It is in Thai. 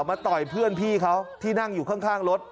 ต่อยเพื่อนพี่เขาที่นั่งอยู่ข้างรถ